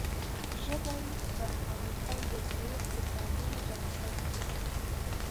ژبې د افغانستان د ځایي اقتصادونو بنسټ دی.